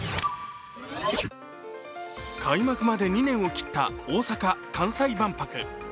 開幕まで２年を切った大阪・関西万博。